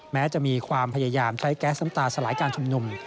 แม้จะมีความพยายามใช้แก๊สน้ำตาสลายการชุมนุม